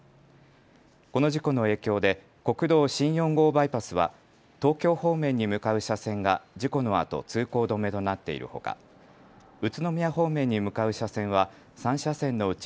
この事故の影響で国道新４号バイパスは東京方面に向かう車線が事故のあと通行止めとなっているほか宇都宮方面に向かう車線は３車線のうち